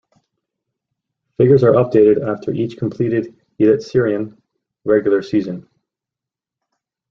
Figures are updated after each completed Elitserien regular season.